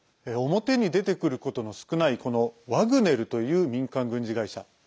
表に出てくることの少ないこのワグネルという民間軍事会社。